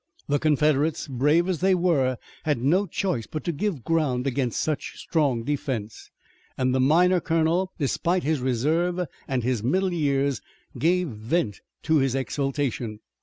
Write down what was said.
The Confederates, brave as they were, had no choice but to give ground against such strong defense, and the miner colonel, despite his reserve and his middle years, gave vent to his exultation.